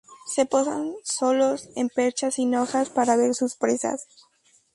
Se posan solos en perchas sin hojas para ver sus presas.